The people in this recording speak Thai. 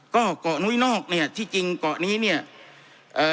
ก็เกาะนุ้ยนอกเนี้ยที่จริงเกาะนี้เนี่ยเอ่อ